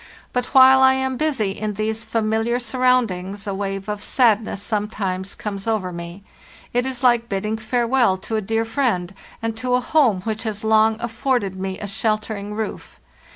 But while I am busy in these familiar surround ings a wave of sadness sometimes comes over me; it is like bidding farewell to a dear friend and to a home which has long afforded me a sheltering roof.